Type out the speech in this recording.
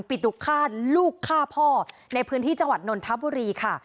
ปิดุฆาตลูกฆ่าพ่อในพื้นที่จังหวัดนนทบุรีค่ะ